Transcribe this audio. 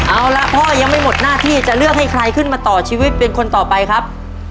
เอาละพ่อยังไม่หมดหน้าที่จะเลือกให้ใครขึ้นมาต่อชีวิตเป็นคนต่อไปครับ